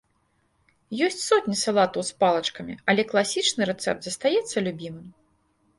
Ёсць сотні салатаў з палачкамі, але класічны рэцэпт застаецца любімым.